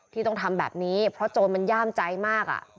ที่ต้องทำแบบนี้เพราะโจรมันย่ามใจมาก